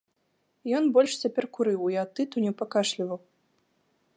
Ён больш цяпер курыў і ад тытуню пакашліваў.